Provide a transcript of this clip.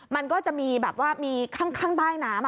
มันก็จะมีแบบว่ามีข้างใต้น้ำ